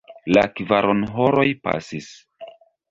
La kvaronhoroj pasis.